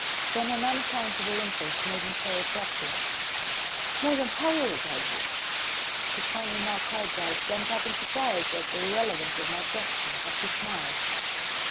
Then an unaccountable impulse made me say abruptly: "Moeran, how old are you?" His finely marked eyebrows went up in surprise at the irrelevance of my question, but he smiled.